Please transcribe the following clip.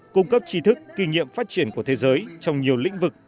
cung cấp trí thức kinh nghiệm phát triển của thế giới trong nhiều lĩnh vực